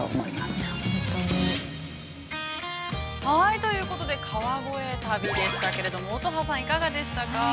◆ということで、川越旅でしたけれども、乙葉さん、いかがでしたか。